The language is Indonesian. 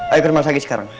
ayo ke rumah sakit sekarang